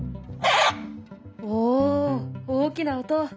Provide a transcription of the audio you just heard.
お大きな音！